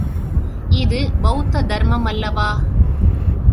இது பௌத்த தர்மமல்லவா!